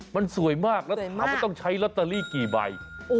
มันสวยมากแล้วถามว่าต้องใช้ลอตเตอรี่กี่ใบ